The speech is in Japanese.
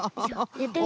やってみる。